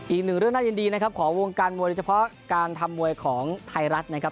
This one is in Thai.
อีกหนึ่งเรื่องน่ายินดีนะครับของวงการมวยโดยเฉพาะการทำมวยของไทยรัฐนะครับ